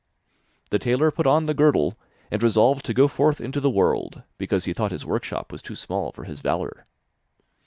The tailor put on the girdle, and resolved to go forth into the world, because he thought his workshop was too small for his valour.